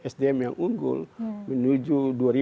sdm yang unggul menuju dua ribu dua puluh empat